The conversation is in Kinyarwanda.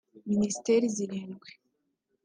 Minisiteri zirindwi